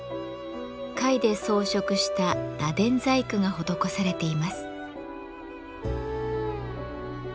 貝で装飾した螺鈿細工が施されています。